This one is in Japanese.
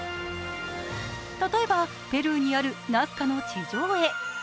たとえばペルーにあるナスカの地上絵。